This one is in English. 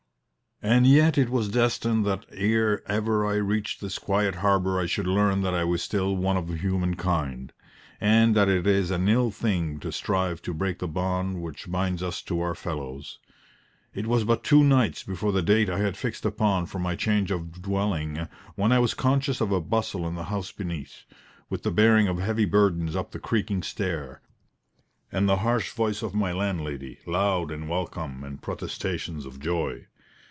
And yet it was destined that ere ever I reached this quiet harbour I should learn that I was still one of humankind, and that it is an ill thing to strive to break the bond which binds us to our fellows. It was but two nights before the date I had fixed upon for my change of dwelling, when I was conscious of a bustle in the house beneath, with the bearing of heavy burdens up the creaking stair, and the harsh voice of my landlady, loud in welcome and protestations of joy.